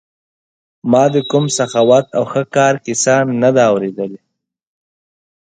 ما د کوم سخاوت او ښه کار کیسه نه ده اورېدلې.